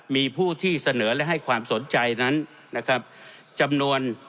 มีผู้ที่เสนอและให้ความสนใจนั้น